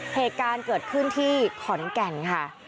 เหตุการณ์เกิดขึ้นที่ขอนแก่นค่ะ